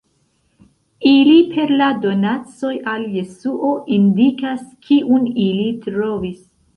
Ili per la donacoj al Jesuo indikas Kiun ili trovis.